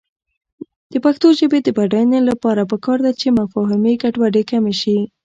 د پښتو ژبې د بډاینې لپاره پکار ده چې مفاهمې ګډوډي کمې شي.